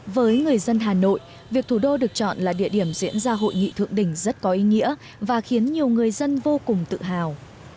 với người dân hà nội việc thủ đô được chọn là địa điểm diễn ra hội nghị thượng đỉnh rất có ý nghĩa và khiến nhiều người dân vô cùng tự hào